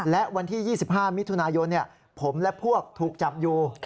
และวันที่๒๕มิถุนายนผมและพวกถูกจับอยู่